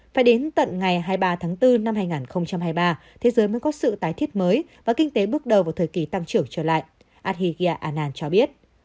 phải đến tận ngày hai mươi ba tháng bốn năm hai nghìn hai mươi ba thế giới mới có sự tái thiết mới và kinh tế bước đầu vào thời kỳ tăng trưởng trở lại atigia annan cho biết